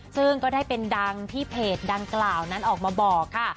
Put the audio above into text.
ซึ่งก็ได้เป็นดังที่เพจดังกล่าวนั้นออกมาบอกค่ะ